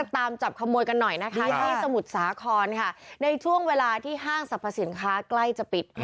ตามจับขโมยกันหน่อยนะคะที่สมุทรสาครค่ะในช่วงเวลาที่ห้างสรรพสินค้าใกล้จะปิด